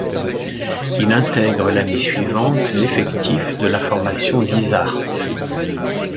Il intègre l'année suivante l'effectif de la formation Lizarte.